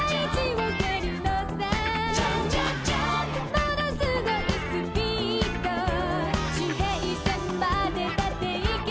ものすごいスピード」「地平線までだっていけるさ風のように」